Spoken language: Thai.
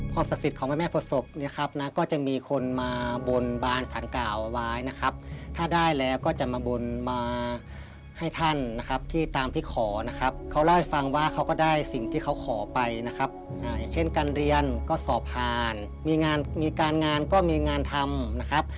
ศักดิ์สิทธิ์ของแม่ประสบเนี่ยครับนะก็จะมีคนมาบนบานสารกล่าวเอาไว้นะครับถ้าได้แล้วก็จะมาบนมาให้ท่านนะครับที่ตามที่ขอนะครับเขาเล่าให้ฟังว่าเขาก็ได้สิ่งที่เขาขอไปนะครับอย่างเช่นการเรียนก็สอบผ่านมีงานมีการงานก็มีงานทำนะครับ